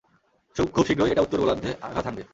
খুব শীঘ্রই এটা উত্তর গোলার্ধে আঘাত হানবে!